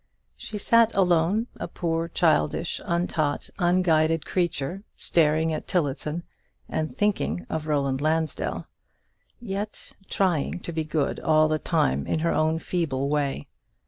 She sat alone, a poor childish, untaught, unguided creature, staring at Tillotson, and thinking of Roland Lansdell; yet trying to be good all the time in her own feeble way.